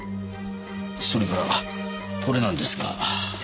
それからこれなんですが。